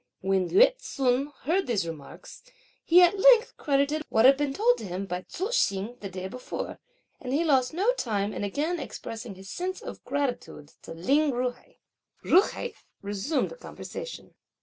When Yü ts'un heard these remarks, he at length credited what had been told him by Tzu hsing the day before, and he lost no time in again expressing his sense of gratitude to Lin Ju hai. Ju hai resumed the conversation.